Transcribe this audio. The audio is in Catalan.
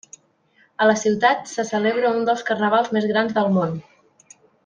A la ciutat se celebra un dels carnavals més grans del món.